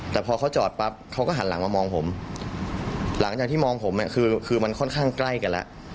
แต่พอเขาจอดปั๊บเขาก็หันหลังมามองผมหลังจากที่มองผมคือมันค่อนข้างใกล้กันแล้ว